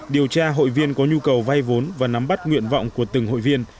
điều tra hội viên có nhu cầu vay vốn và nắm bắt nguyện vọng của từng hội viên